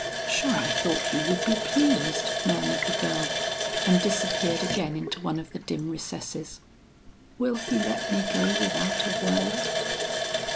"Shure, I thought you would be pleased," murmured the girl and disappeared again into one of the dim recesses. "Will he let me go without a word?"